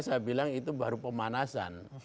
saya bilang itu baru pemanasan